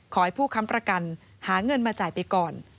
ขอให้ผู้ค้ำประกันหาเงินมาจ่ายไปก่อน